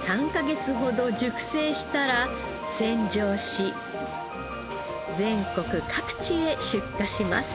３カ月ほど熟成したら洗浄し全国各地へ出荷します。